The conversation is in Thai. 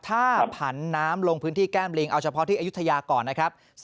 ถ้าผันน้ำลงพื้นที่แก้มลิงเอาเฉพาะที่อายุทยาก่อนนะครับ